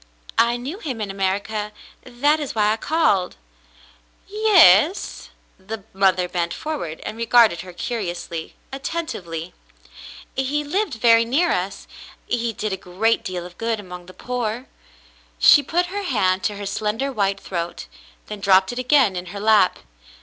I knew him in America. That is why I called." Yes.'^" The mother bent forward and regarded her curiously, attentively. "He lived very near us. He did a great deal of good — among the poor." She put her hand to her slender white throat, then dropped it again in her lap.